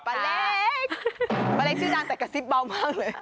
ป้าเล็กป้าเล็กชื่อดังแต่กระซิบเบามากเลย